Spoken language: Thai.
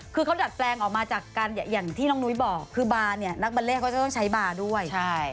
คือเขาดัดแปลงออกมาจากการอย่างที่น้องนุ้ยบอกคือบาร์เนี่ยนักบาเล่เขาจะต้องใช้บาร์ด้วย